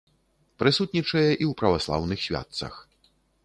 Прысутнічае і ў праваслаўных святцах.